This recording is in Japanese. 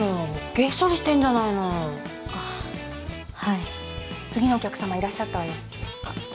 げっそりしてんじゃないのはい次のお客様いらっしゃったわよあっ